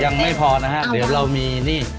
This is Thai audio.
ยังไม่พอนะฮะเดี๋ยวเรามีนี่